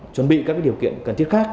chuẩn bị các điều kiện cần thiết khác